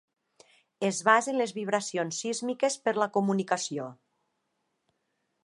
Es basa en les vibracions sísmiques per la comunicació.